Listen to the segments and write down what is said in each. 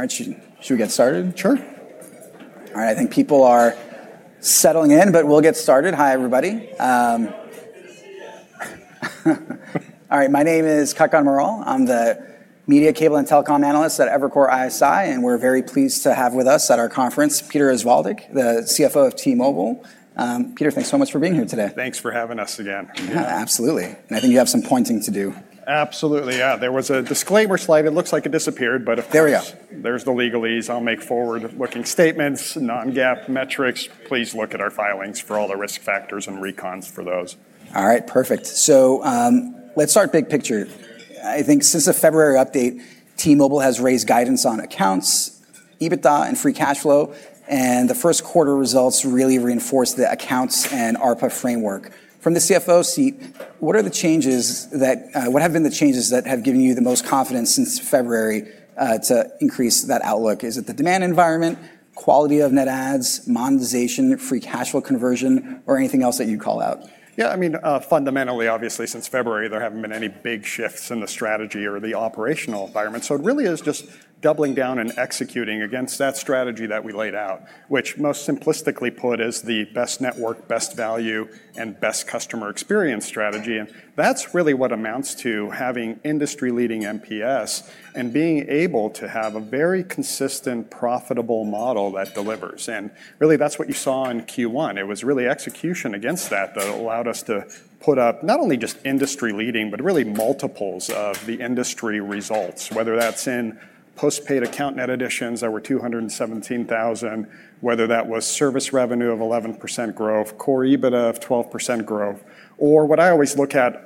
All right. Should we get started? Sure. All right. I think people are settling in. We'll get started. Hi, everybody. Good to see you. All right. My name is Kutgun Maral. I'm the Media, Cable, and Telecom Analyst at Evercore ISI. We're very pleased to have with us at our conference, Peter Osvaldik, the Chief Financial Officer of T-Mobile. Peter, thanks so much for being here today. Thanks for having us again. Yeah, absolutely. I think you have some pointing to do. Absolutely. Yeah. There was a disclaimer slide. It looks like it disappeared. There we go. There's the legalese. I'll make forward-looking statements, non-GAAP metrics. Please look at our filings for all the risk factors and recons for those. All right. Perfect. Let's start big picture. I think since the February update, T-Mobile has raised guidance on accounts, EBITDA, and free cash flow, and the first quarter results really reinforce the accounts and ARPA framework. From the Chief Financial Officer seat, what have been the changes that have given you the most confidence since February to increase that outlook? Is it the demand environment, quality of net adds, monetization, free cash flow conversion, or anything else that you'd call out? Fundamentally, obviously since February, there haven't been any big shifts in the strategy or the operational environment. It really is just doubling down and executing against that strategy that we laid out, which most simplistically put is the best network, best value, and best customer experience strategy. That's really what amounts to having industry-leading NPS and being able to have a very consistent, profitable model that delivers. Really that's what you saw in Q1. It was really execution against that allowed us to put up not only just industry leading, but really multiples of the industry results, whether that's in postpaid account net additions that were 217,000, whether that was service revenue of 11% growth, core EBITDA of 12% growth, or what I always look at,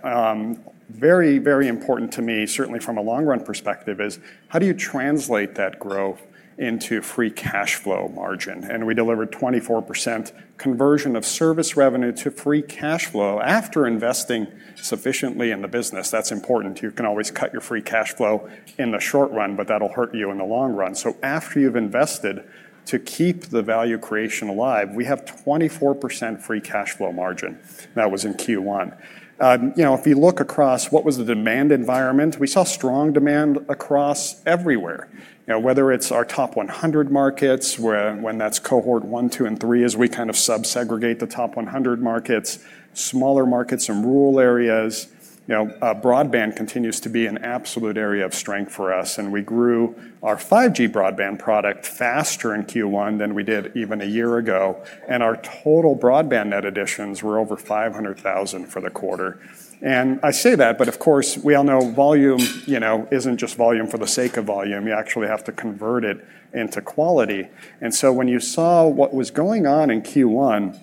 very important to me, certainly from a long run perspective, is how do you translate that growth into free cash flow margin? We delivered 24% conversion of service revenue to free cash flow after investing sufficiently in the business. That's important. You can always cut your free cash flow in the short run, that'll hurt you in the long run. After you've invested to keep the value creation alive, we have 24% free cash flow margin. That was in Q1. If you look across what was the demand environment, we saw strong demand across everywhere. Whether it's our top 100 markets, when that's Cohort 1, 2, and 3, as we sub-segregate the top 100 markets, smaller markets in rural areas. Broadband continues to be an absolute area of strength for us, and we grew our 5G broadband product faster in Q1 than we did even a year ago, and our total broadband net additions were over 500,000 for the quarter. I say that, but of course, we all know volume isn't just volume for the sake of volume. You actually have to convert it into quality. When you saw what was going on in Q1,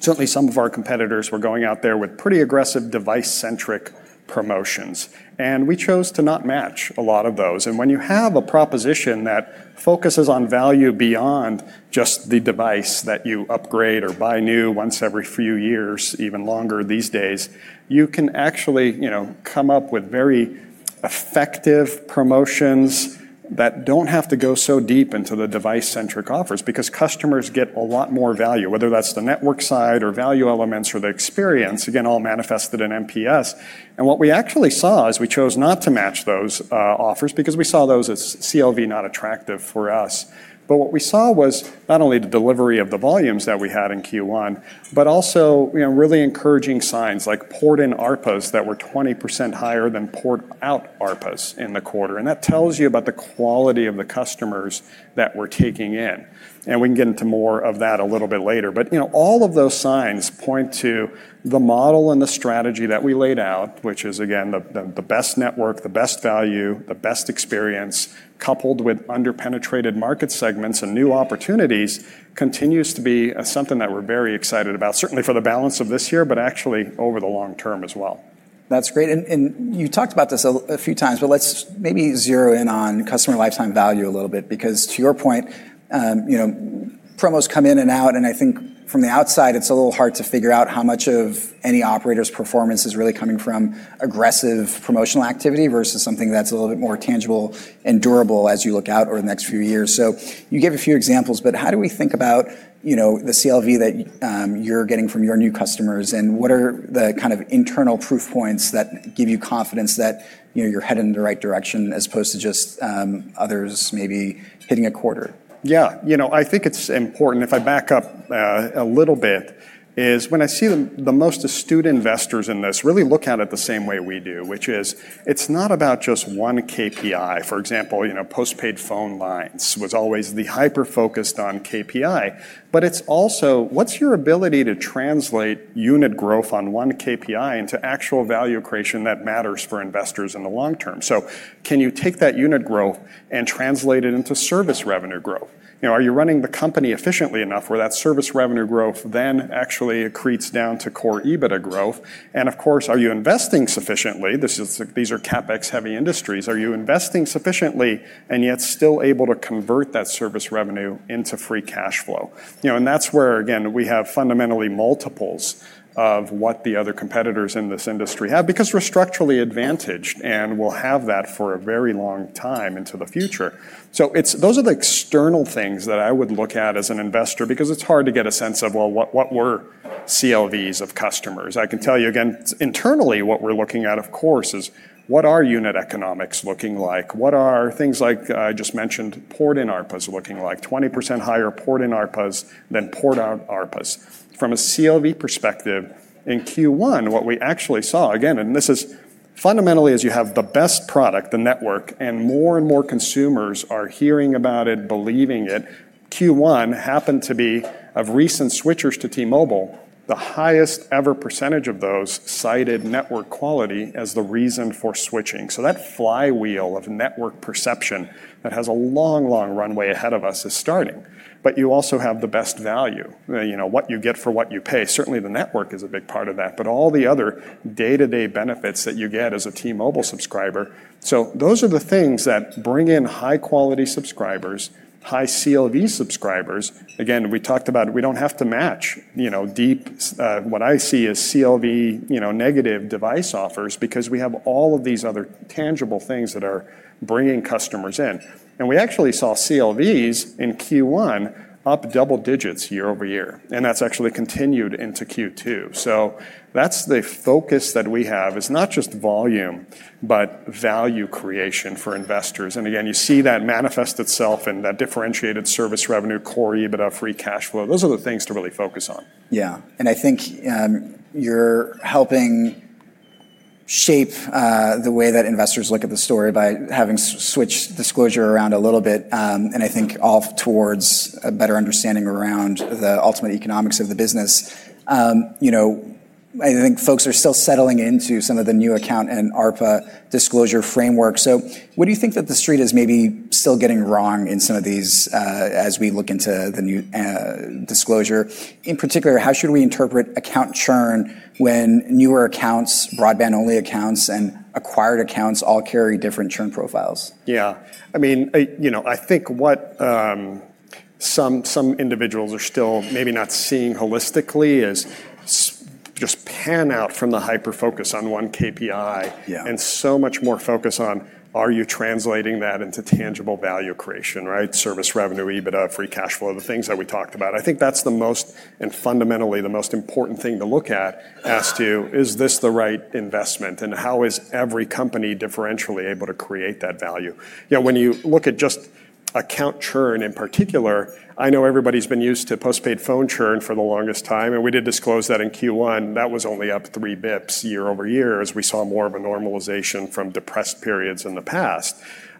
certainly some of our competitors were going out there with pretty aggressive device-centric promotions. We chose to not match a lot of those. When you have a proposition that focuses on value beyond just the device that you upgrade or buy new once every few years, even longer these days, you can actually come up with very effective promotions that don't have to go so deep into the device-centric offers because customers get a lot more value, whether that's the network side or value elements or the experience, again, all manifested in NPS. What we actually saw is we chose not to match those offers because we saw those as CLV not attractive for us. What we saw was not only the delivery of the volumes that we had in Q1, but also really encouraging signs like port-in ARPUs that were 20% higher than port-out ARPUs in the quarter. That tells you about the quality of the customers that we're taking in. We can get into more of that a little bit later. All of those signs point to the model and the strategy that we laid out, which is again, the best network, the best value, the best experience, coupled with under-penetrated market segments and new opportunities continues to be something that we're very excited about, certainly for the balance of this year, but actually over the long term as well. That's great. You talked about this a few times, but let's maybe zero in on customer lifetime value a little bit because to your point, promos come in and out, and I think from the outside, it's a little hard to figure out how much of any operator's performance is really coming from aggressive promotional activity versus something that's a little bit more tangible and durable as you look out over the next few years. You gave a few examples, but how do we think about the CLV that you're getting from your new customers, and what are the internal proof points that give you confidence that you're headed in the right direction as opposed to just others maybe hitting a quarter? I think it's important, if I back up a little bit, is when I see the most astute investors in this really look at it the same way we do, which is it's not about just one KPI. For example, postpaid phone lines was always the hyper-focused on KPI. It's also what's your ability to translate unit growth on one KPI into actual value creation that matters for investors in the long term. Can you take that unit growth and translate it into service revenue growth? Are you running the company efficiently enough where that service revenue growth then actually accretes down to core EBITDA growth? Of course, are you investing sufficiently? These are CapEx-heavy industries. Are you investing sufficiently and yet still able to convert that service revenue into free cash flow? That's where, again, we have fundamentally multiples of what the other competitors in this industry have because we're structurally advantaged, and we'll have that for a very long time into the future. Those are the external things that I would look at as an investor because it's hard to get a sense of, well, what were CLVs of customers? I can tell you again, internally what we're looking at, of course, is what are unit economics looking like? What are things like I just mentioned, port-in ARPUs looking like? 20% higher port-in ARPUs than port-out ARPUs. From a CLV perspective, in Q1, what we actually saw, again, and this is. Fundamentally, as you have the best product, the network, and more and more consumers are hearing about it, believing it. Q1 happened to be, of recent switchers to T-Mobile, the highest ever percentage of those cited network quality as the reason for switching. That flywheel of network perception that has a long, long runway ahead of us is starting. You also have the best value. What you get for what you pay. Certainly, the network is a big part of that, but all the other day-to-day benefits that you get as a T-Mobile subscriber. Those are the things that bring in high-quality subscribers, high CLV subscribers. Again, we talked about it, we don't have to match deep, what I see as CLV negative device offers because we have all of these other tangible things that are bringing customers in. We actually saw CLVs in Q1 up double-digits year-over-year, and that's actually continued into Q2. That's the focus that we have. It's not just volume, but value creation for investors. Again, you see that manifest itself in that differentiated service revenue, core EBITDA, free cash flow. Those are the things to really focus on. Yeah. I think you're helping shape the way that investors look at the story by having switched disclosure around a little bit, and I think off towards a better understanding around the ultimate economics of the business. I think folks are still settling into some of the new account and ARPA disclosure framework. What do you think that the Street is maybe still getting wrong in some of these as we look into the new disclosure? In particular, how should we interpret account churn when newer accounts, broadband-only accounts, and acquired accounts all carry different churn profiles? Yeah. I think what some individuals are still maybe not seeing holistically is just pan out from the hyper-focus on one KPI. Yeah. So much more focus on are you translating that into tangible value creation, right? Service revenue, EBITDA, free cash flow, the things that we talked about. I think that's the most, and fundamentally the most important thing to look at as to is this the right investment and how is every company differentially able to create that value? When you look at just account churn in particular, I know everybody's been used to postpaid phone churn for the longest time, and we did disclose that in Q1. That was only up three basis points year-over-year as we saw more of a normalization from depressed periods in the past.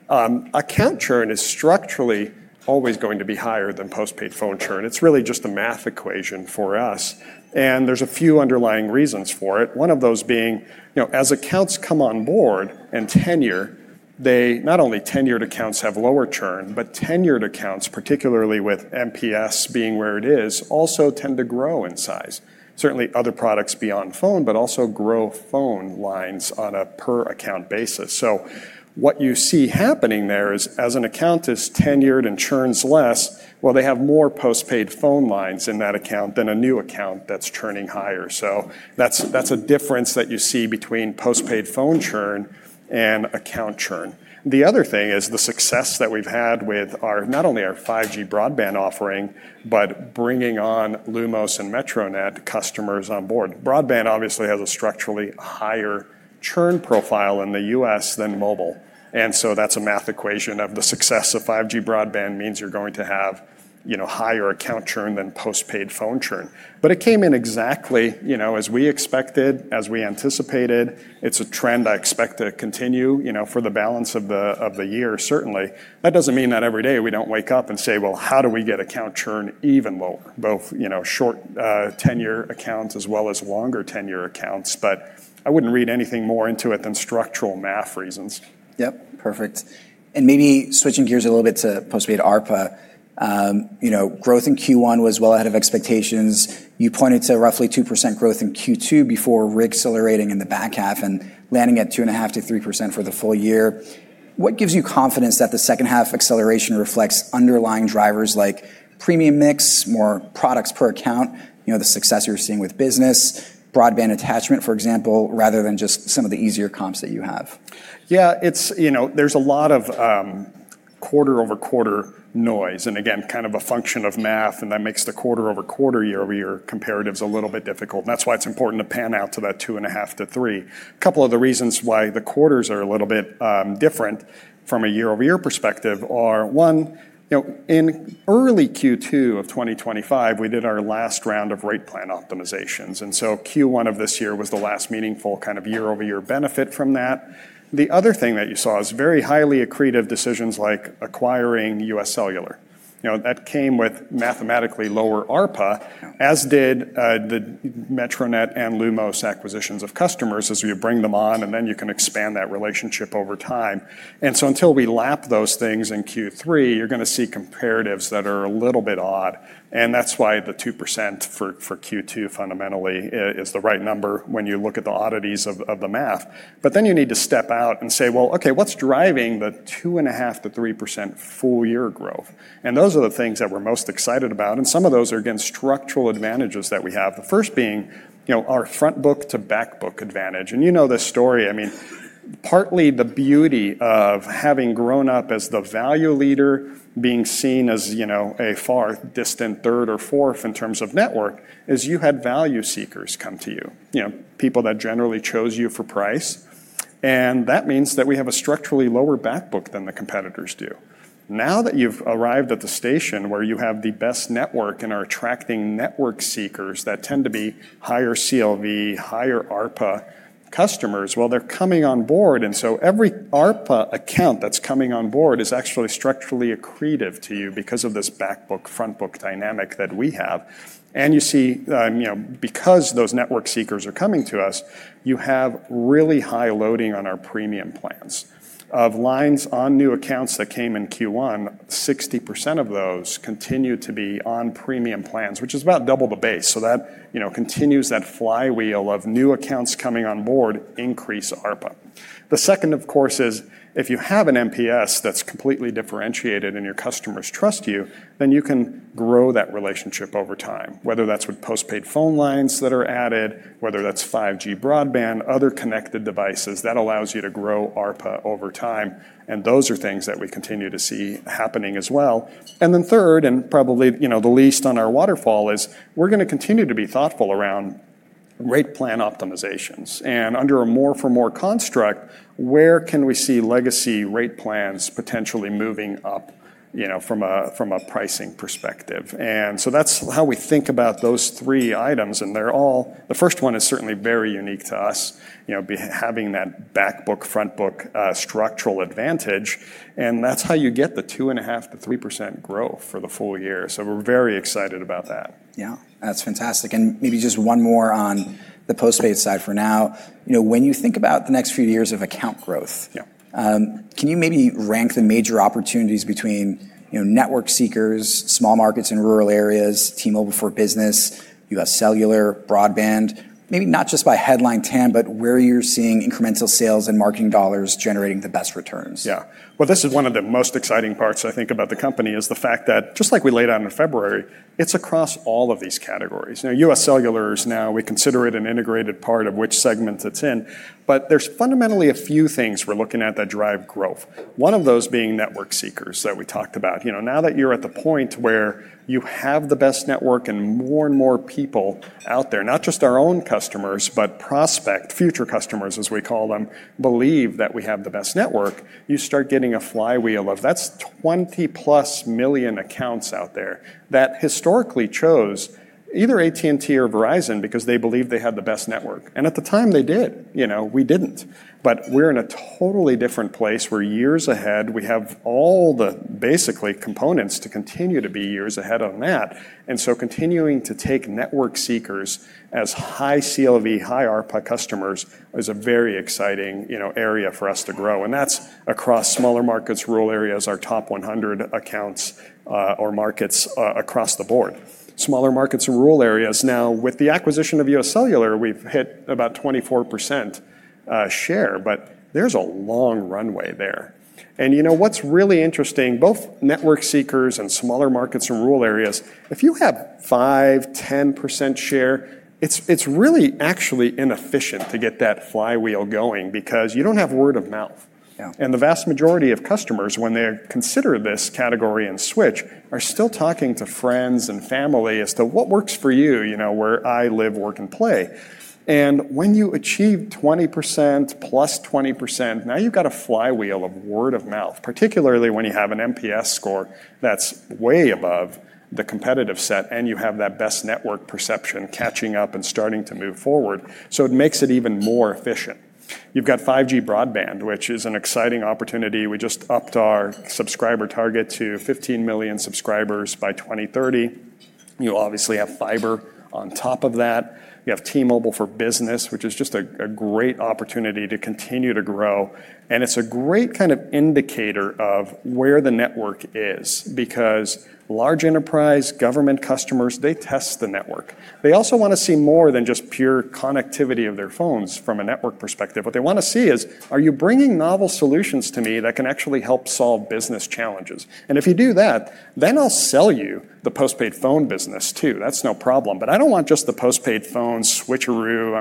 Account churn is structurally always going to be higher than postpaid phone churn. It's really just a math equation for us, and there's a few underlying reasons for it. One of those being, as accounts come on board and tenure, not only tenured accounts have lower churn, but tenured accounts, particularly with NPS being where it is, also tend to grow in size. Certainly other products beyond phone, but also grow phone lines on a per account basis. What you see happening there is as an account is tenured and churns less, well, they have more postpaid phone lines in that account than a new account that's churning higher. That's a difference that you see between postpaid phone churn and account churn. The other thing is the success that we've had with not only our 5G broadband offering, but bringing on Lumos and Metronet customers on board. Broadband obviously has a structurally higher churn profile in the U.S. than mobile, and so that's a math equation of the success of 5G broadband means you're going to have higher account churn than postpaid phone churn. It came in exactly as we expected, as we anticipated. It's a trend I expect to continue for the balance of the year, certainly. That doesn't mean that every day we don't wake up and say, "Well, how do we get account churn even lower?" Both short tenure accounts as well as longer tenure accounts. I wouldn't read anything more into it than structural math reasons. Yep. Perfect. Maybe switching gears a little bit to postpaid ARPA. Growth in Q1 was well ahead of expectations. You pointed to roughly 2% growth in Q2 before re-accelerating in the back half and landing at 2.5%-3% for the full year. What gives you confidence that the second half acceleration reflects underlying drivers like premium mix, more products per account, the success you're seeing with business, broadband attachment, for example, rather than just some of the easier comps that you have? Yeah. There's a lot of quarter-over-quarter noise, and again, a function of math, and that makes the quarter-over-quarter, year-over-year comparatives a little bit difficult. That's why it's important to pan out to that 2.5%-3%. Couple of the reasons why the quarters are a little bit different from a year-over-year perspective are, one, in early Q2 of 2025, we did our last round of rate plan optimizations, and so Q1 of this year was the last meaningful year-over-year benefit from that. The other thing that you saw is very highly accretive decisions like acquiring UScellular. That came with mathematically lower ARPA, as did the Metronet and Lumos acquisitions of customers as we bring them on, and then you can expand that relationship over time. Until we lap those things in Q3, you're going to see comparatives that are a little bit odd, and that's why the 2% for Q2 fundamentally is the right number when you look at the oddities of the math. You need to step out and say, Well, okay, what's driving the 2.5%-3% full year growth? Those are the things that we're most excited about, and some of those are again, structural advantages that we have. The first being our front book to back book advantage. You know this story. Partly the beauty of having grown up as the value leader being seen as a far distant third or fourth in terms of network, is you had value seekers come to you. People that generally chose you for price. And that means that we have a structurally lower back book than the competitors do. You've arrived at the station where you have the best network and are attracting network seekers that tend to be higher CLV, higher ARPA customers, well, they're coming on board. Every ARPA account that's coming on board is actually structurally accretive to you because of this back book, front book dynamic that we have. You see, because those network seekers are coming to us, you have really high loading on our premium plans. Of lines on new accounts that came in Q1, 60% of those continue to be on premium plans, which is about double the base. That continues that flywheel of new accounts coming on board increase ARPA. The second, of course, is if you have an NPS that's completely differentiated and your customers trust you can grow that relationship over time. Whether that's with postpaid phone lines that are added, whether that's 5G broadband, other connected devices, that allows you to grow ARPA over time. Those are things that we continue to see happening as well. Then third, and probably the least on our waterfall is we're going to continue to be thoughtful around rate plan optimizations. Under a more for more construct, where can we see legacy rate plans potentially moving up from a pricing perspective? That's how we think about those three items, and they're all. The first one is certainly very unique to us, having that back book, front book structural advantage. That's how you get the 2.5%-3% growth for the full year. We're very excited about that. Yeah. That's fantastic. Maybe just one more on the postpaid side for now. When you think about the next few years of account growth. Yeah Can you maybe rank the major opportunities between network seekers, small markets in rural areas, T-Mobile for Business, UScellular, broadband, maybe not just by headline TAM, but where you're seeing incremental sales and marketing dollars generating the best returns? Yeah. Well, this is one of the most exciting parts, I think, about the company is the fact that just like we laid out in February, it's across all of these categories. UScellular is now we consider it an integrated part of which segment it's in. There's fundamentally a few things we're looking at that drive growth. One of those being network seekers that we talked about. That you're at the point where you have the best network and more and more people out there, not just our own customers, but prospect, future customers, as we call them, believe that we have the best network, you start getting a flywheel of that's 20 million+ accounts out there that historically chose either AT&T or Verizon because they believe they had the best network. At the time they did. We didn't. We're in a totally different place. We're years ahead. We have all the basically components to continue to be years ahead on that. Continuing to take network seekers as high CLV, high ARPA customers is a very exciting area for us to grow. That's across smaller markets, rural areas, our top 100 accounts or markets across the board. Smaller markets and rural areas now with the acquisition of UScellular, we've hit about 24% share, but there's a long runway there. You know what's really interesting, both network seekers and smaller markets and rural areas, if you have 5%, 10% share, it's really actually inefficient to get that flywheel going because you don't have word of mouth. Yeah. The vast majority of customers, when they consider this category and switch, are still talking to friends and family as to what works for you, where I live, work, and play. When you achieve 20%, +20%, now you've got a flywheel of word of mouth, particularly when you have an NPS score that's way above the competitive set and you have that best network perception catching up and starting to move forward. It makes it even more efficient. You've got 5G broadband, which is an exciting opportunity. We just upped our subscriber target to 15 million subscribers by 2030. You obviously have fiber on top of that. You have T-Mobile for Business, which is just a great opportunity to continue to grow. It's a great indicator of where the network is because large enterprise, government customers, they test the network. They also want to see more than just pure connectivity of their phones from a network perspective. What they want to see is, are you bringing novel solutions to me that can actually help solve business challenges? If you do that, then I'll sell you the postpaid phone business too. That's no problem. I don't want just the postpaid phone switcheroo.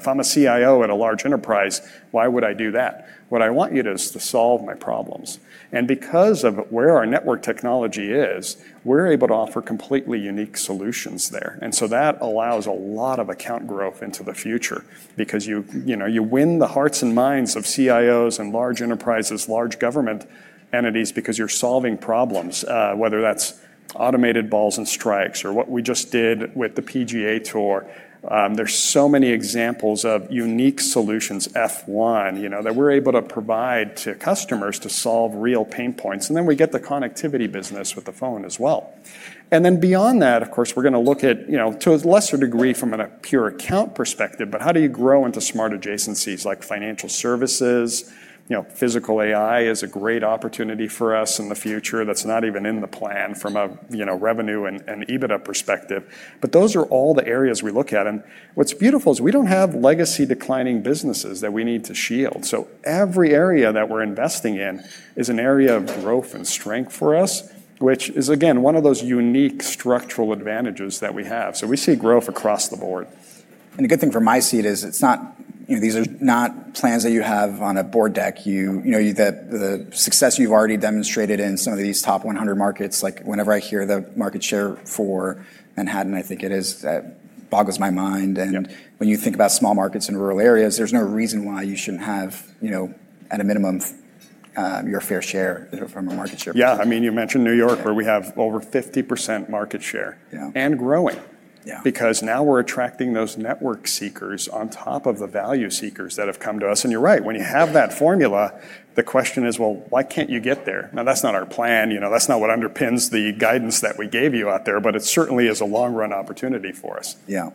If I'm a CIO at a large enterprise, why would I do that? What I want you to is to solve my problems. Because of where our network technology is, we're able to offer completely unique solutions there. That allows a lot of account growth into the future because you win the hearts and minds of CIOs and large enterprises, large government entities because you're solving problems, whether that's automated balls and strikes or what we just did with the PGA Tour. There's so many examples of unique solutions, F1, that we're able to provide to customers to solve real pain points. We get the connectivity business with the phone as well. Beyond that, of course, we're going to look at to a lesser degree from a pure account perspective, but how do you grow into smart adjacencies like financial services? Physical AI is a great opportunity for us in the future that's not even in the plan from a revenue and EBITDA perspective. Those are all the areas we look at. What's beautiful is we don't have legacy declining businesses that we need to shield. Every area that we're investing in is an area of growth and strength for us, which is, again, one of those unique structural advantages that we have. We see growth across the board. A good thing from my seat is these are not plans that you have on a board deck. The success you've already demonstrated in some of these top 100 markets, like whenever I hear the market share for Manhattan, I think it boggles my mind. Yeah. When you think about small markets in rural areas, there's no reason why you shouldn't have, at a minimum, your fair share from a market share perspective. Yeah. You mentioned New York. Yeah Where we have over 50% market share. Yeah. Growing. Yeah. Now we're attracting those network seekers on top of the value seekers that have come to us. You're right. When you have that formula, the question is, well, why can't you get there? Now, that's not our plan. That's not what underpins the guidance that we gave you out there, but it certainly is a long-run opportunity for us. Yeah.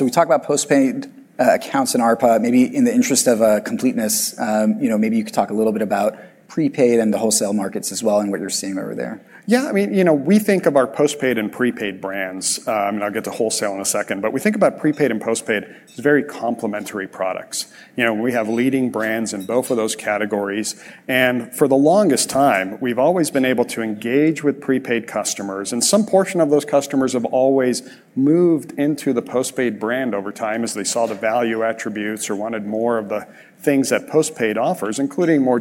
We talked about postpaid accounts and ARPA. Maybe in the interest of completeness, maybe you could talk a little bit about prepaid and the wholesale markets as well and what you're seeing over there. We think of our postpaid and prepaid brands, and I'll get to wholesale in a second, but we think about prepaid and postpaid as very complementary products. We have leading brands in both of those categories, and for the longest time, we've always been able to engage with prepaid customers, and some portion of those customers have always moved into the postpaid brand over time as they saw the value attributes or wanted more of the things that postpaid offers, including more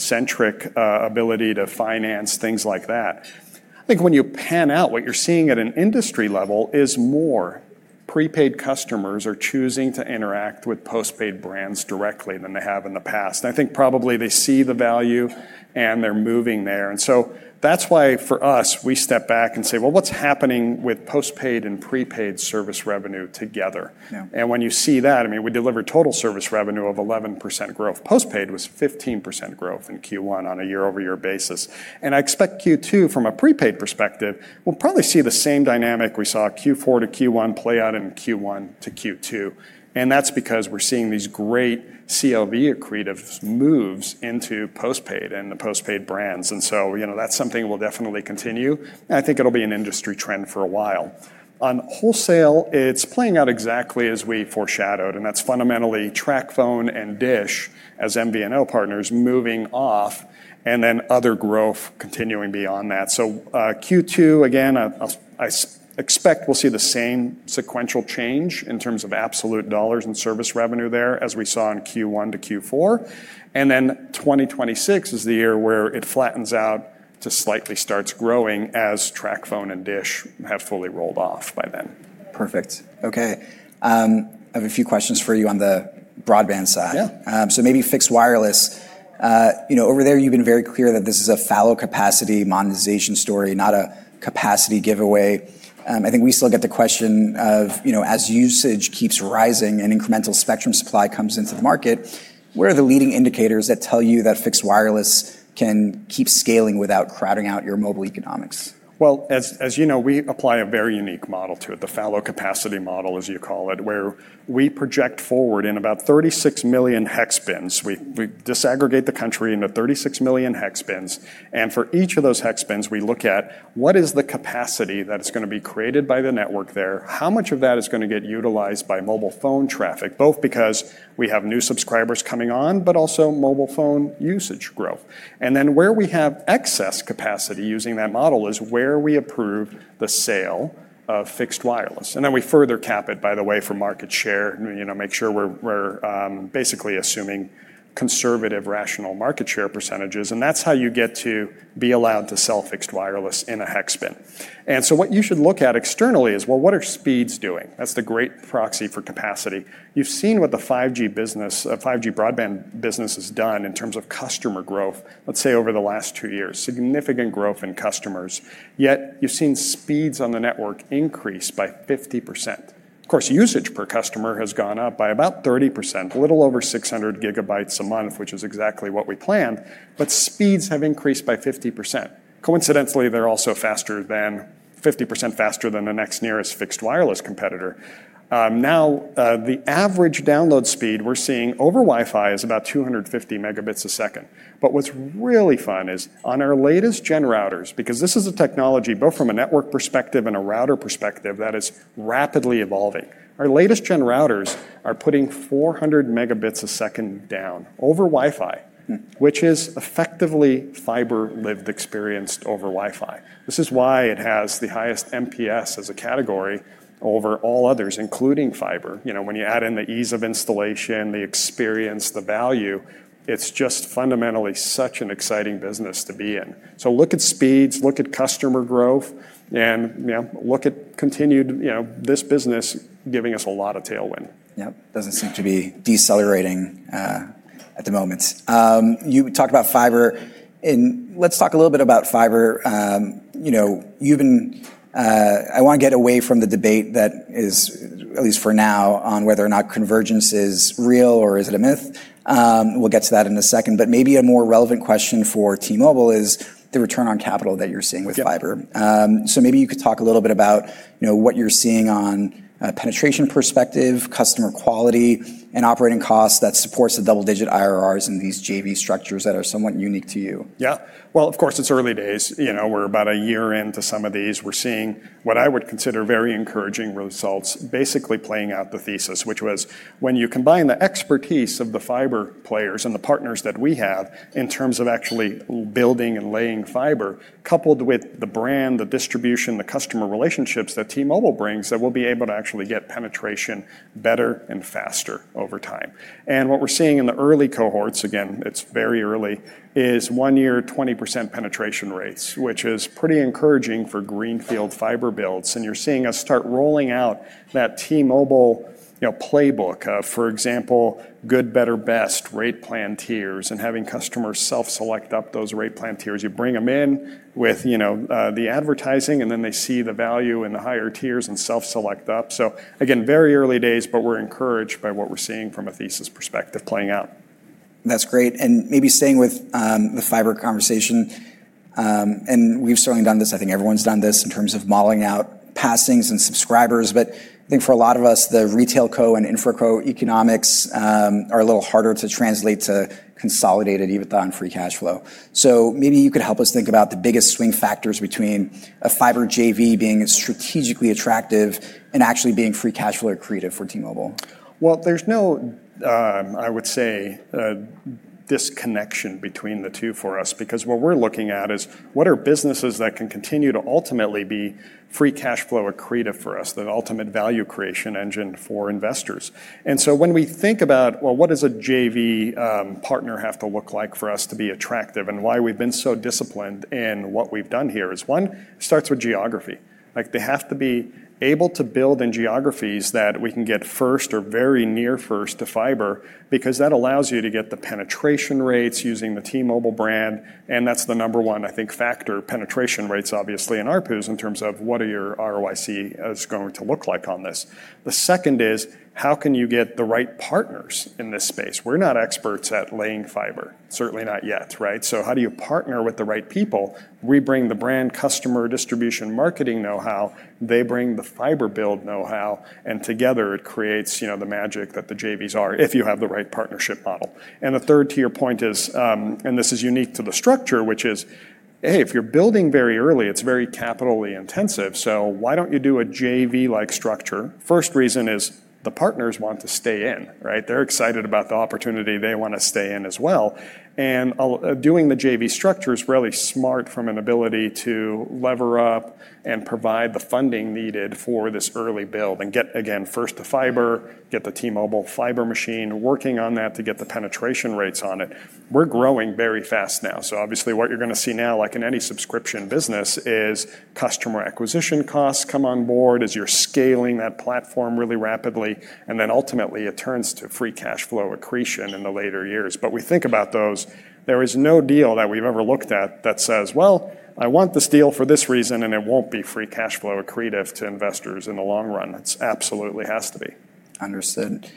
device-centric ability to finance, things like that. I think when you pan out, what you're seeing at an industry level is more prepaid customers are choosing to interact with postpaid brands directly than they have in the past. I think probably they see the value, and they're moving there. That's why for us, we step back and say, "Well, what's happening with postpaid and prepaid service revenue together? Yeah. When you see that, we delivered total service revenue of 11% growth. Postpaid was 15% growth in Q1 on a year-over-year basis. I expect Q2, from a prepaid perspective, we'll probably see the same dynamic we saw Q4 to Q1 play out in Q1 to Q2. That's because we're seeing these great CLV accretive moves into postpaid and the postpaid brands. That's something we'll definitely continue, and I think it'll be an industry trend for a while. On wholesale, it's playing out exactly as we foreshadowed, that's fundamentally TracFone and Dish as MVNO partners moving off, then other growth continuing beyond that. Q2, again, I expect we'll see the same sequential change in terms of absolute dollars in service revenue there as we saw in Q1 to Q4. 2026 is the year where it flattens out to slightly starts growing as TracFone and Dish have fully rolled off by then. Perfect. Okay. I have a few questions for you on the broadband side. Yeah. Maybe fixed wireless. Over there, you've been very clear that this is a fallow capacity monetization story, not a capacity giveaway. I think we still get the question of, as usage keeps rising and incremental spectrum supply comes into the market, what are the leading indicators that tell you that fixed wireless can keep scaling without crowding out your mobile economics? Well, as you know, we apply a very unique model to it, the fallow capacity model, as you call it, where we project forward in about 36 million hex bins. We disaggregate the country into 36 million hex bins, and for each of those hex bins, we look at what is the capacity that is going to be created by the network there, how much of that is going to get utilized by mobile phone traffic, both because we have new subscribers coming on, but also mobile phone usage growth. Where we have excess capacity using that model is where we approve the sale of fixed wireless. We further cap it, by the way, for market share, make sure we're basically assuming conservative, rational market share percentages. That's how you get to be allowed to sell fixed wireless in a hex bin. What you should look at externally is, well, what are speeds doing? That's the great proxy for capacity. You've seen what the 5G broadband business has done in terms of customer growth, let's say over the last two years, significant growth in customers. Yet you've seen speeds on the network increase by 50%. Of course, usage per customer has gone up by about 30%, a little over 600 GB a month, which is exactly what we planned. Speeds have increased by 50%. Coincidentally, they're also 50% faster than the next nearest fixed wireless competitor. The average download speed we're seeing over Wi-Fi is about 250 Mbps. What's really fun is on our latest gen routers, because this is a technology both from a network perspective and a router perspective that is rapidly evolving. Our latest gen routers are putting 400 Mbps down over Wi-Fi, which is effectively fiber lived experienced over Wi-Fi. This is why it has the highest NPS as a category over all others, including fiber. When you add in the ease of installation, the experience, the value, it's just fundamentally such an exciting business to be in. Look at speeds, look at customer growth, and look at this business giving us a lot of tailwind. Yep, doesn't seem to be decelerating at the moment. You talked about fiber, and let's talk a little bit about fiber. I want to get away from the debate that is, at least for now, on whether or not convergence is real or is it a myth. We'll get to that in a second, but maybe a more relevant question for T-Mobile is the return on capital that you're seeing with fiber. Yep. Maybe you could talk a little bit about what you're seeing on a penetration perspective, customer quality, and operating costs that supports the double-digit IRRs in these JV structures that are somewhat unique to you? Yeah. Well, of course, it's early days. We're about a year into some of these. We're seeing what I would consider very encouraging results, basically playing out the thesis, which was when you combine the expertise of the fiber players and the partners that we have in terms of actually building and laying fiber, coupled with the brand, the distribution, the customer relationships that T-Mobile brings, that we'll be able to actually get penetration better and faster over time. What we're seeing in the early cohorts, again, it's very early, is one year 20% penetration rates, which is pretty encouraging for greenfield fiber builds. You're seeing us start rolling out that T-Mobile playbook. For example, good, better, best rate plan tiers and having customers self-select up those rate plan tiers. You bring them in with the advertising, then they see the value in the higher tiers and self-select up. Again, very early days, but we're encouraged by what we're seeing from a thesis perspective playing out. That's great. Maybe staying with the fiber conversation, and we've certainly done this, I think everyone's done this in terms of modeling out passings and subscribers. I think for a lot of us, the RetailCo and InfraCo economics are a little harder to translate to consolidated EBITDA and free cash flow. Maybe you could help us think about the biggest swing factors between a fiber JV being strategically attractive and actually being free cash flow accretive for T-Mobile. Well, there's no, I would say, disconnection between the two for us, because what we're looking at is what are businesses that can continue to ultimately be free cash flow accretive for us, the ultimate value creation engine for investors. When we think about, well, what does a JV partner have to look like for us to be attractive, and why we've been so disciplined in what we've done here is one, it starts with geography. They have to be able to build in geographies that we can get first or very near first to fiber, because that allows you to get the penetration rates using the T-Mobile brand, that's the number one, I think, factor. Penetration rates, obviously, and ARPUs in terms of what are your ROIC is going to look like on this. The second is how can you get the right partners in this space? We're not experts at laying fiber. Certainly not yet. How do you partner with the right people? We bring the brand, customer, distribution, marketing knowhow, they bring the fiber build knowhow, and together it creates the magic that the JVs are, if you have the right partnership model. The third to your point is, and this is unique to the structure, which is, A, if you're building very early, it's very capitally intensive, so why don't you do a JV-like structure? First reason is the partners want to stay in. They're excited about the opportunity, they want to stay in as well. Doing the JV structure is really smart from an ability to lever up and provide the funding needed for this early build and get, again, first to fiber, get the T-Mobile fiber machine working on that to get the penetration rates on it. Obviously what you're going to see now, like in any subscription business, is customer acquisition costs come on board as you're scaling that platform really rapidly, then ultimately it turns to free cash flow accretion in the later years. We think about those. There is no deal that we've ever looked at that says, well, I want this deal for this reason, and it won't be free cash flow accretive to investors in the long run. It absolutely has to be. Understood.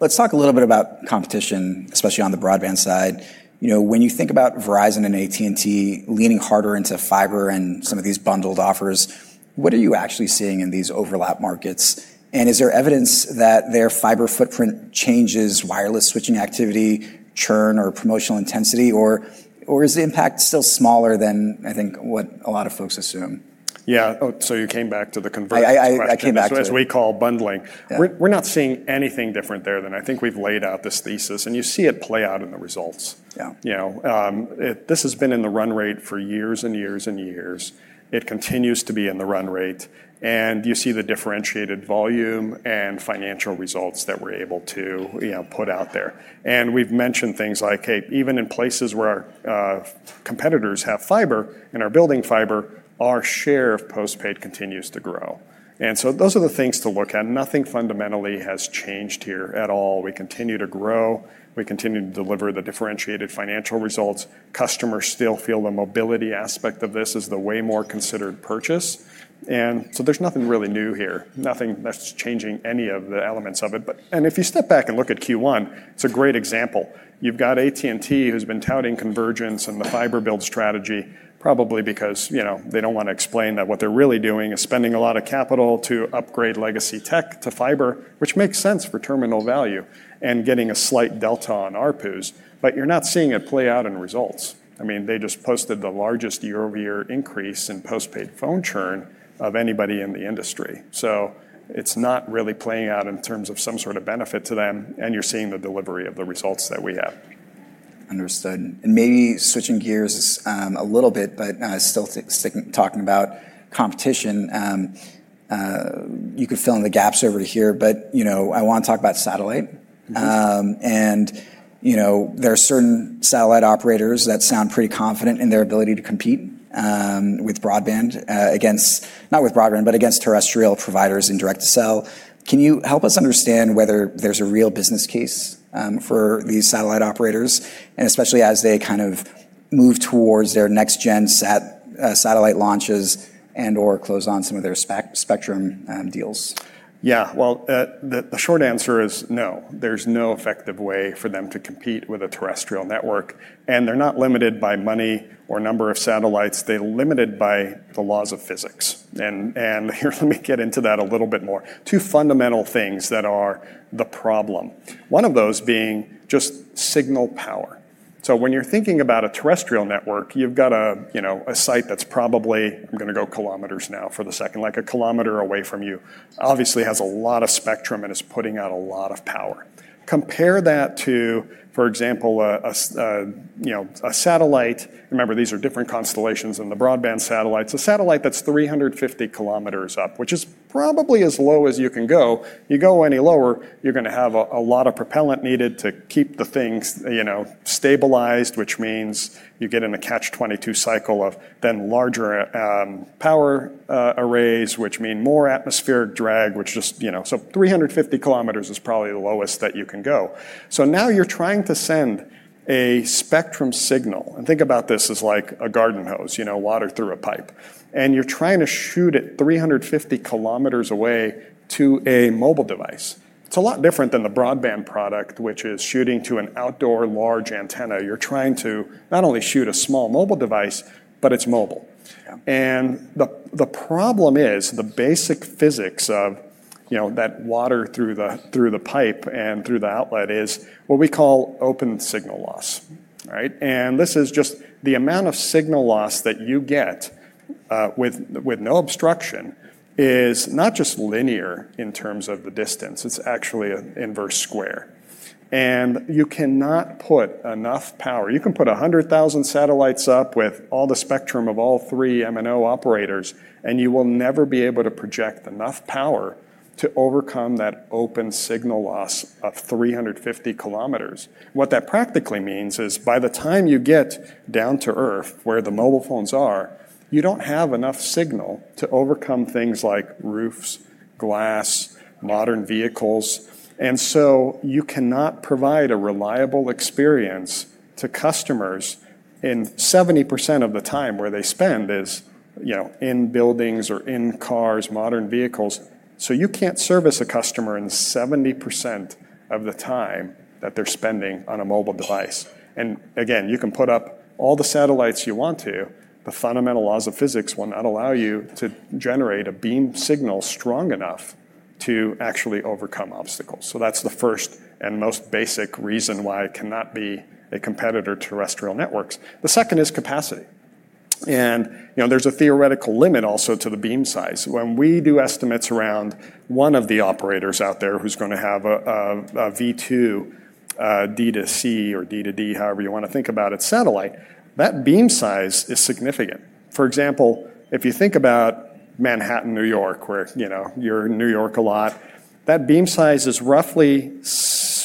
Let's talk a little bit about competition, especially on the broadband side. When you think about Verizon and AT&T leaning harder into fiber and some of these bundled offers, what are you actually seeing in these overlap markets? Is there evidence that their fiber footprint changes wireless switching activity, churn, or promotional intensity, or is the impact still smaller than, I think, what a lot of folks assume? Yeah. you came back to the convert question? I came back to it. As we call bundling. Yeah. We're not seeing anything different there than I think we've laid out this thesis, and you see it play out in the results. Yeah. This has been in the run rate for years and years and years. It continues to be in the run rate. You see the differentiated volume and financial results that we're able to put out there. We've mentioned things like, hey, even in places where our competitors have fiber and are building fiber, our share of postpaid continues to grow. Those are the things to look at. Nothing fundamentally has changed here at all. We continue to grow. We continue to deliver the differentiated financial results. Customers still feel the mobility aspect of this as the way more considered purchase. There's nothing really new here, nothing that's changing any of the elements of it. If you step back and look at Q1, it's a great example. You've got AT&T who's been touting convergence and the fiber build strategy probably because they don't want to explain that what they're really doing is spending a lot of capital to upgrade legacy tech to fiber, which makes sense for terminal value, and getting a slight delta on ARPUs. You're not seeing it play out in results. They just posted the largest year-over-year increase in postpaid phone churn of anybody in the industry. It's not really playing out in terms of some sort of benefit to them, and you're seeing the delivery of the results that we have. Understood. Maybe switching gears a little bit, but still talking about competition. You could fill in the gaps over to here, but I want to talk about satellite. There are certain satellite operators that sound pretty confident in their ability to compete with broadband against, not with broadband, but against terrestrial providers in direct-to-cell. Can you help us understand whether there's a real business case for these satellite operators? Especially as they move towards their next gen satellite launches and/or close on some of their spectrum deals. Well, the short answer is no. There's no effective way for them to compete with a terrestrial network, they're not limited by money or number of satellites, they're limited by the laws of physics. Here let me get into that a little bit more. Two fundamental things that are the problem. One of those being just signal power. When you're thinking about a terrestrial network, you've got a site that's probably, I'm going to go km now for the second, like a km away from you. Obviously, it has a lot of spectrum and is putting out a lot of power. Compare that to, for example, a satellite. Remember, these are different constellations than the broadband satellites. A satellite that's 350 km up, which is probably as low as you can go. You go any lower, you're going to have a lot of propellant needed to keep the things stabilized, which means you get in a catch-22 cycle of then larger power arrays, which mean more atmospheric drag. 350 km is probably the lowest that you can go. Now you're trying to send a spectrum signal. Think about this as like a garden hose, water through a pipe. You're trying to shoot it 350 km away to a mobile device. It's a lot different than the broadband product, which is shooting to an outdoor large antenna. You're trying to not only shoot a small mobile device, but it's mobile. Yeah. The problem is the basic physics of that water through the pipe and through the outlet is what we call open space loss. Right? This is just the amount of signal loss that you get with no obstruction is not just linear in terms of the distance, it's actually inverse square. You cannot put enough power. You can put 100,000 satellites up with all the spectrum of all three MNO operators, and you will never be able to project enough power to overcome that open space loss of 350 km. What that practically means is by the time you get down to earth where the mobile phones are, you don't have enough signal to overcome things like roofs, glass, modern vehicles, and so you cannot provide a reliable experience to customers, and 70% of the time where they spend is in buildings or in cars, modern vehicles. You can't service a customer in 70% of the time that they're spending on a mobile device. Again, you can put up all the satellites you want to, the fundamental laws of physics will not allow you to generate a beam signal strong enough to actually overcome obstacles. That's the first and most basic reason why it cannot be a competitor to terrestrial networks. The second is capacity. There's a theoretical limit also to the beam size. When we do estimates around one of the operators out there who's going to have a V2 D-to-C or D-to-D, however you want to think about it, satellite, that beam size is significant. For example, if you think about Manhattan, New York, where you're in New York a lot, that beam size is roughly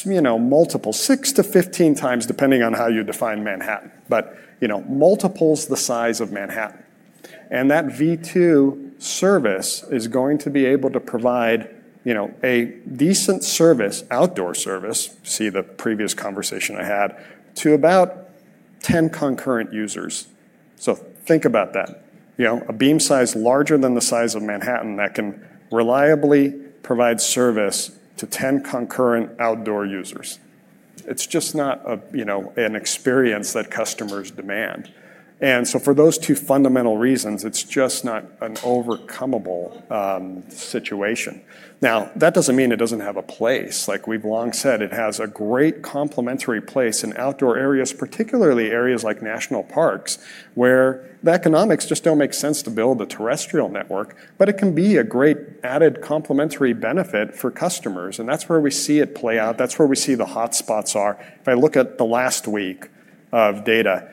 multiple, 6 to 15 times, depending on how you define Manhattan, multiples the size of Manhattan. That V2 service is going to be able to provide a decent service, outdoor service, see the previous conversation I had, to about 10 concurrent users. Think about that. A beam size larger than the size of Manhattan that can reliably provide service to 10 concurrent outdoor users. It's just not an experience that customers demand. For those two fundamental reasons, it's just not an overcomeable situation. Now, that doesn't mean it doesn't have a place. Like we've long said, it has a great complementary place in outdoor areas, particularly areas like national parks, where the economics just don't make sense to build a terrestrial network, but it can be a great added complementary benefit for customers, and that's where we see it play out. That's where we see the hotspots are. If I look at the last week of data,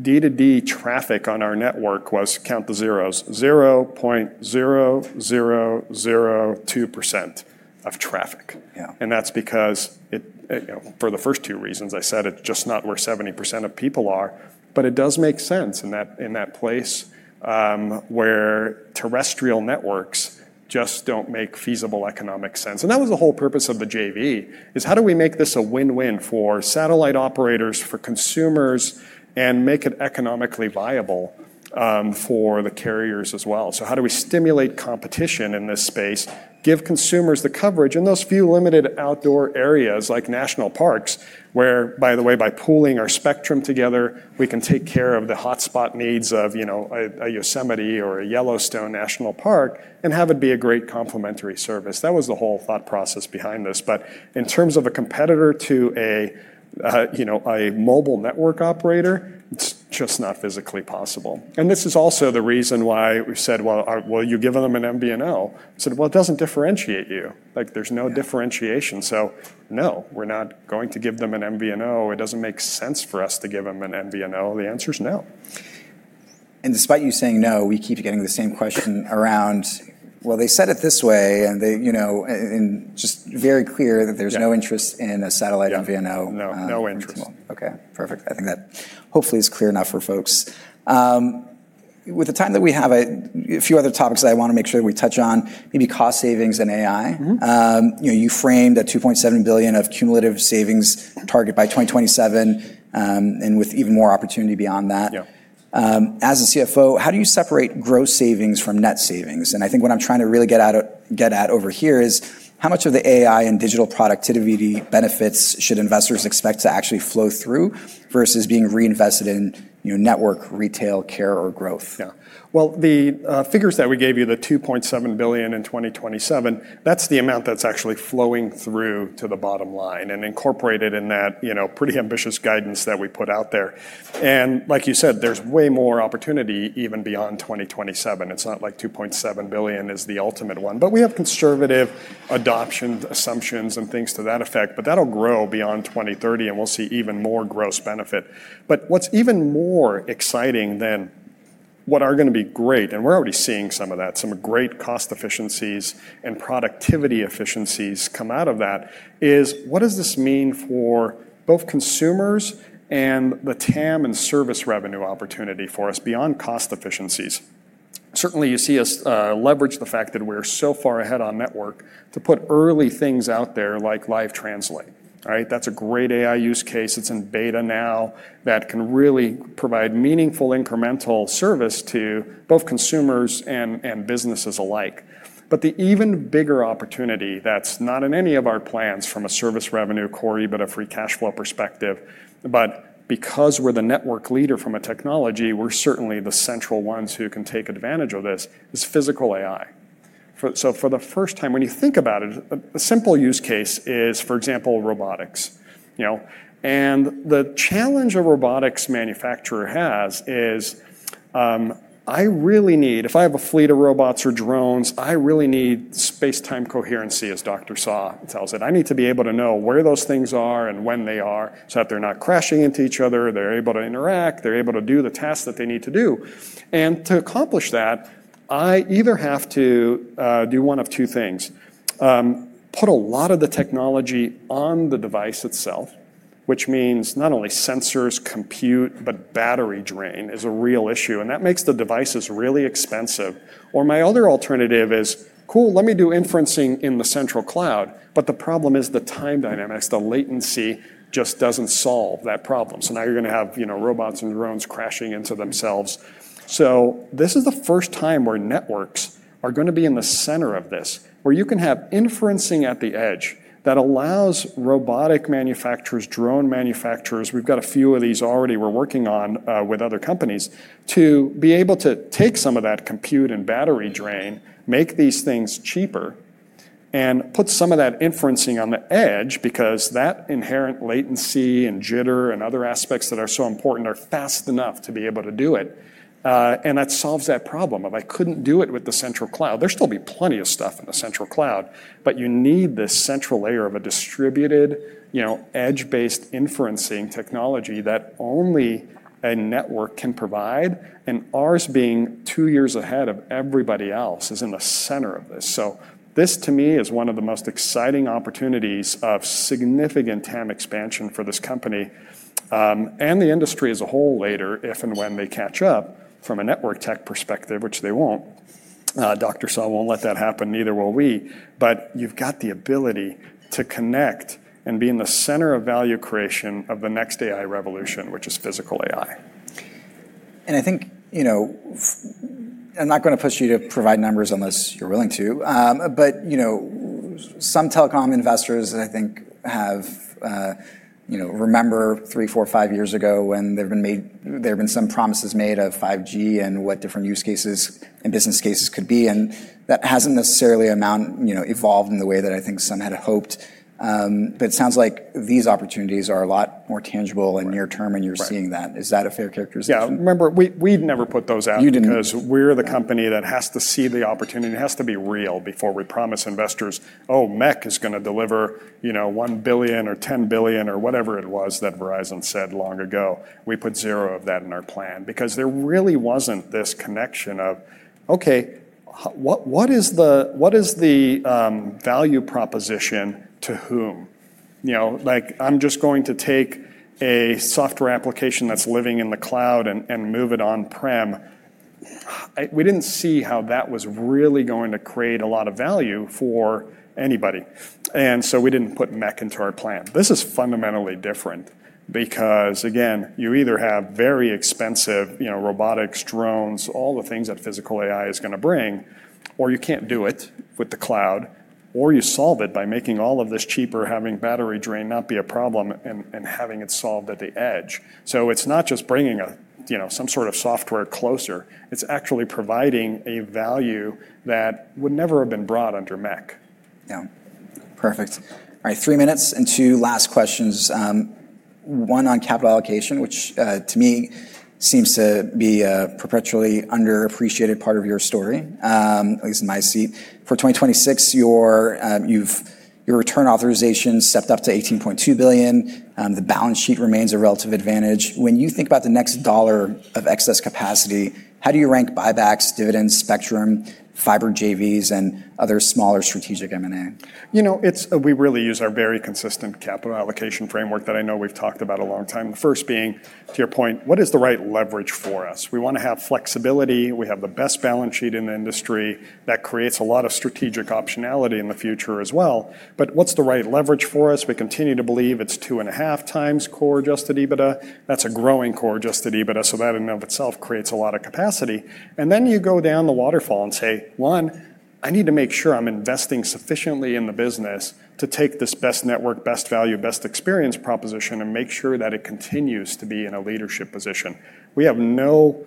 D-to-D traffic on our network was, count the zeros, 0.0002% of traffic. Yeah. That's because it, for the first two reasons I said, it's just not where 70% of people are, but it does make sense in that place where terrestrial networks just don't make feasible economic sense. That was the whole purpose of the JV, is how do we make this a win-win for satellite operators, for consumers, and make it economically viable for the carriers as well? How do we stimulate competition in this space, give consumers the coverage in those few limited outdoor areas like national parks, where, by the way, by pooling our spectrum together, we can take care of the hotspot needs of a Yosemite or a Yellowstone National Park and have it be a great complementary service. That was the whole thought process behind this. In terms of a competitor to a mobile network operator, it's just not physically possible. This is also the reason why we've said, "Well, you give them an MVNO." Said, "Well, it doesn't differentiate you." There's no differentiation. No, we're not going to give them an MVNO. It doesn't make sense for us to give them an MVNO. The answer's no. Despite you saying no, we keep getting the same question around, well, they said it this way, and just very clear that there's no interest in a satellite MVNO. No. No interest. Okay. Perfect. I think that hopefully is clear enough for folks. With the time that we have, a few other topics that I want to make sure that we touch on, maybe cost savings and AI. You framed a $2.7 billion of cumulative savings target by 2027, with even more opportunity beyond that. Yeah. As a Chief Financial Officer, how do you separate gross savings from net savings? I think what I'm trying to really get at over here is how much of the AI and digital productivity benefits should investors expect to actually flow through versus being reinvested in network, retail, care, or growth? Well, the figures that we gave you, the $2.7 billion in 2027, that's the amount that's actually flowing through to the bottom line and incorporated in that pretty ambitious guidance that we put out there. Like you said, there's way more opportunity even beyond 2027. It's not like $2.7 billion is the ultimate one. We have conservative adoption assumptions and things to that effect, but that'll grow beyond 2030, and we'll see even more gross benefit. What's even more exciting than what are going to be great, and we're already seeing some of that, some great cost efficiencies and productivity efficiencies come out of that, is what does this mean for both consumers and the TAM and service revenue opportunity for us beyond cost efficiencies? Certainly, you see us leverage the fact that we're so far ahead on network to put early things out there, like Live Translation. All right? That's a great AI use case. It's in beta now. That can really provide meaningful incremental service to both consumers and businesses alike. The even bigger opportunity that's not in any of our plans from a service revenue, but a free cash flow perspective, but because we're the network leader from a technology, we're certainly the central ones who can take advantage of this, is Physical AI. For the first time, when you think about it, a simple use case is, for example, robotics. The challenge a robotics manufacturer has is, if I have a fleet of robots or drones, I really need space-time coherency, as Dr. Saw tells it. I need to be able to know where those things are and when they are so that they're not crashing into each other, they're able to interact, they're able to do the tasks that they need to do. To accomplish that, I either have to do one of two things: put a lot of the technology on the device itself, which means not only sensors compute, but battery drain is a real issue, and that makes the devices really expensive. My other alternative is, cool, let me do inferencing in the central cloud. The problem is the time dynamics, the latency just doesn't solve that problem. Now you're going to have robots and drones crashing into themselves. This is the first time where networks are going to be in the center of this, where you can have inferencing at the edge that allows robotic manufacturers, drone manufacturers, we've got a few of these already we're working on with other companies, to be able to take some of that compute and battery drain, make these things cheaper, and put some of that inferencing on the edge because that inherent latency and jitter and other aspects that are so important are fast enough to be able to do it. That solves that problem of I couldn't do it with the central cloud. There'll still be plenty of stuff in the central cloud, you need this central layer of a distributed edge-based inferencing technology that only a network can provide. Ours being two years ahead of everybody else is in the center of this. This to me is one of the most exciting opportunities of significant TAM expansion for this company, and the industry as a whole later, if and when they catch up from a network tech perspective, which they won't. Dr. Saw won't let that happen, neither will we. You've got the ability to connect and be in the center of value creation of the next AI revolution, which is Physical AI. I think, I'm not going to push you to provide numbers unless you're willing to, some telecom investors I think remember three, four, five years ago when there have been some promises made of 5G and what different use cases and business cases could be, and that hasn't necessarily evolved in the way that I think some had hoped. It sounds like these opportunities are a lot more tangible and near-term, and you're seeing that. Is that a fair characterization? Yeah. Remember, we never put those out. You didn't. We're the company that has to see the opportunity, and it has to be real before we promise investors, oh, MEC is going to deliver $1 billion or $10 billion or whatever it was that Verizon said long ago. We put zero of that in our plan because there really wasn't this connection of, okay, what is the value proposition to whom? Like, I'm just going to take a software application that's living in the cloud and move it on-prem. We didn't see how that was really going to create a lot of value for anybody, and so we didn't put MEC into our plan. This is fundamentally different because again, you either have very expensive robotics, drones, all the things that Physical AI is going to bring, or you can't do it with the cloud, or you solve it by making all of this cheaper, having battery drain not be a problem and having it solved at the edge. It's not just bringing some sort of software closer, it's actually providing a value that would never have been brought under MEC. Yeah. Perfect. All right. Three minutes and two last questions. One on capital allocation, which to me seems to be a perpetually underappreciated part of your story, at least in my seat. For 2026, your return authorization stepped up to $18.2 billion. The balance sheet remains a relative advantage. When you think about the next dollar of excess capacity, how do you rank buybacks, dividends, spectrum, fiber JVs, and other smaller strategic M&A? We really use our very consistent capital allocation framework that I know we've talked about a long time. The first being, to your point, what is the right leverage for us? We want to have flexibility. We have the best balance sheet in the industry. That creates a lot of strategic optionality in the future as well. What's the right leverage for us? We continue to believe it's two and a half times core adjusted EBITDA. That's a growing core adjusted EBITDA, so that in and of itself creates a lot of capacity. Then you go down the waterfall and say, one, I need to make sure I'm investing sufficiently in the business to take this best network, best value, best experience proposition and make sure that it continues to be in a leadership position. We have no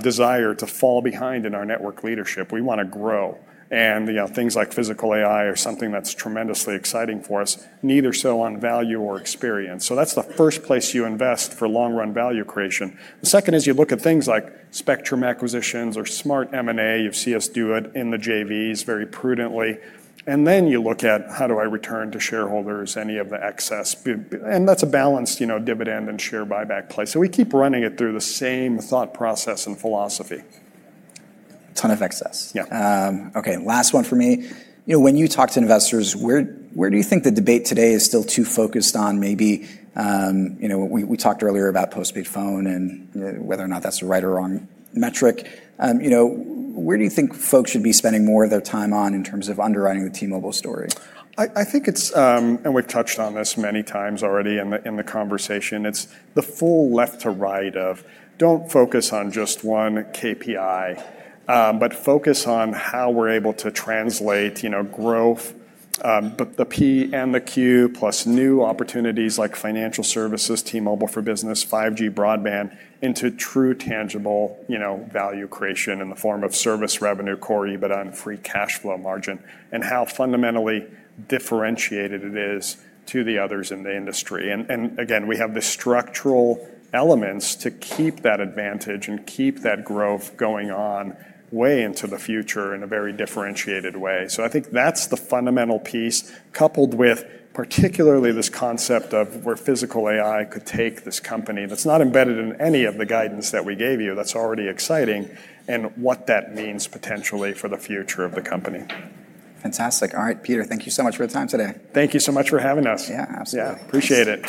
desire to fall behind in our network leadership. We want to grow. Things like Physical AI are something that's tremendously exciting for us, neither so on value or experience. That's the first place you invest for long-run value creation. The second is you look at things like spectrum acquisitions or smart M&A. You've seen us do it in the JVs very prudently. Then you look at how do I return to shareholders any of the excess. That's a balanced dividend and share buyback play. We keep running it through the same thought process and philosophy. Ton of excess. Yeah. Okay, last one from me. When you talk to investors, where do you think the debate today is still too focused on? We talked earlier about post-paid phone and whether or not that's the right or wrong metric. Where do you think folks should be spending more of their time on in terms of underwriting the T-Mobile story? I think it's, and we've touched on this many times already in the conversation, it's the full left to right of don't focus on just one KPI. Focus on how we're able to translate growth, but the P and the Q, plus new opportunities like financial services, T-Mobile for Business, 5G broadband, into true tangible value creation in the form of service revenue, core adjusted EBITDA, and free cash flow margin, and how fundamentally differentiated it is to the others in the industry. Again, we have the structural elements to keep that advantage and keep that growth going on way into the future in a very differentiated way. I think that's the fundamental piece, coupled with particularly this concept of where Physical AI could take this company that's not embedded in any of the guidance that we gave you that's already exciting, and what that means potentially for the future of the company. Fantastic. All right, Peter, thank you so much for the time today. Thank you so much for having us. Yeah, absolutely. Yeah, appreciate it.